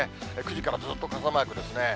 ９時からずっと傘マークですね。